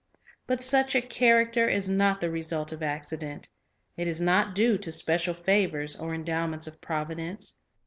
But such a character is not the result of accident ; it is not due to special favors or endowments of Providence.